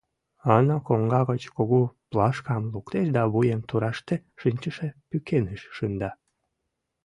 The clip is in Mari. Анна коҥга гыч кугу пулашкам луктеш да вуем тураште шинчыше пӱкеныш шында.